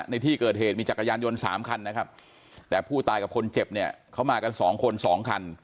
ในที่เกิดเหตุมีจักรยานยนต์สามคันนะครับแต่ผู้ตายกับคนเจ็บเนี่ยเขามากันสองคนสองคัน